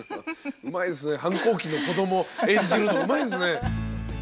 うまいっすね反抗期の子どもを演じるのうまいですね。